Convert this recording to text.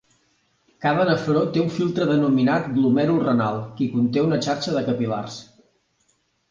Cada nefró té un filtre denominat glomèrul renal, qui conté una xarxa de capil·lars.